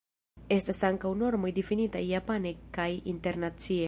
Estas ankaŭ normoj difinitaj japane kaj internacie.